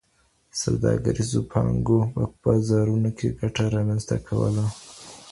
سوداګريزو پانګو په بازارونو کي ګټه رامنځته کوله.